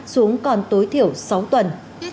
xuống còn tối thiểu sáu tuần